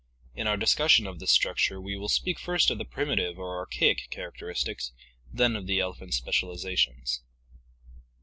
In our discussion of this structure we will speak first of the primitive or archaic characteristics, then of the elephant's specializations.